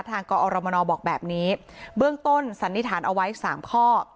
กอรมนบอกแบบนี้เบื้องต้นสันนิษฐานเอาไว้สามข้อ